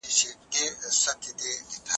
که ما اورې بل به نه وي، ځان هم نه سې اورېدلای